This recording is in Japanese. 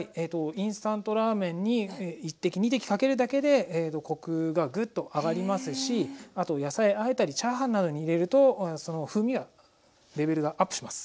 インスタントラーメンに１滴２滴かけるだけでコクがグッと上がりますしあと野菜あえたりチャーハンなどに入れるとその風味がレベルがアップします。